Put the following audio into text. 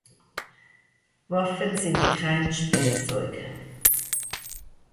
Waffen sind kein Spielzeug.